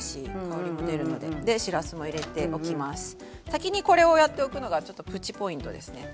先にこれをやっておくのがちょっとプチポイントですね。